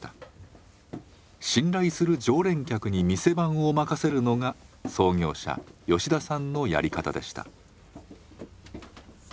信頼する常連客に店番を任せるのが創業者吉田さんのやり方でした。